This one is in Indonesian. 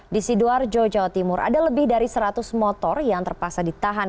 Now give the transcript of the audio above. di sidoarjo jawa timur ada lebih dari seratus motor yang terpaksa ditahan